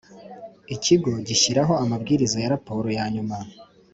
Ikigo gishyiraho amabwiriza ya raporo ya nyuma